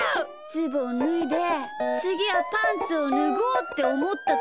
ズボンぬいでつぎはパンツをぬごうっておもったときに。